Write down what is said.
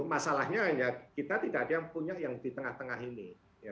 masalahnya kita tidak ada yang punya yang di tengah tengah ini